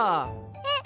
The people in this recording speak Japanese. えっ！